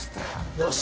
よし！